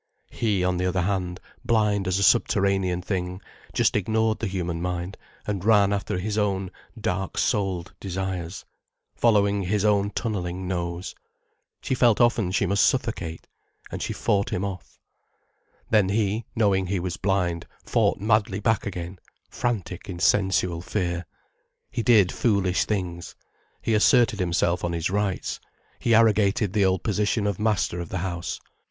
He, on the other hand, blind as a subterranean thing, just ignored the human mind and ran after his own dark souled desires, following his own tunnelling nose. She felt often she must suffocate. And she fought him off. Then he, knowing he was blind, fought madly back again, frantic in sensual fear. He did foolish things. He asserted himself on his rights, he arrogated the old position of master of the house.